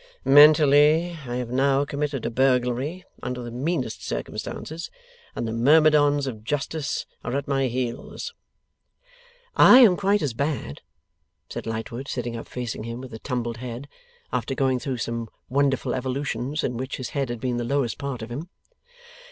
Mentally, I have now committed a burglary under the meanest circumstances, and the myrmidons of justice are at my heels.' 'I am quite as bad,' said Lightwood, sitting up facing him, with a tumbled head; after going through some wonderful evolutions, in which his head had been the lowest part of him.